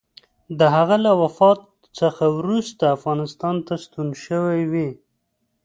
د هغه له وفات څخه وروسته افغانستان ته ستون شوی وي.